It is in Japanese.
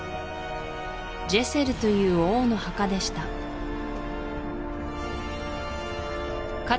ジェセルという王の墓でしたか